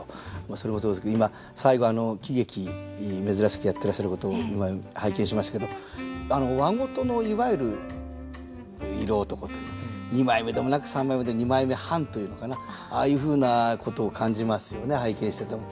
それもそうですけど今最後喜劇珍しくやってらっしゃることを今拝見しましたけど和事のいわゆる色男という二枚目でもなく三枚目で二枚目半というのかなああいうふうなことを感じますよね拝見してても。